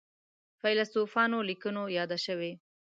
فیلسوفانو لیکنو یاده شوې.